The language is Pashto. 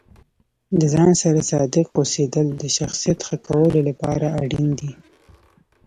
د ځان سره صادق اوسیدل د شخصیت ښه کولو لپاره اړین دي.